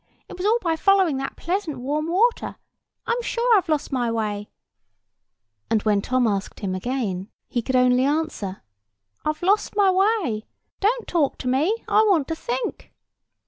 it was all by following that pleasant warm water. I'm sure I've lost my way." [Picture: Sunfish] And, when Tom asked him again, he could only answer, "I've lost my way. Don't talk to me; I want to think."